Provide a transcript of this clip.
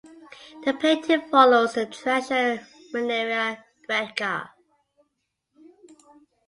The painting follows the traditional maniera greca.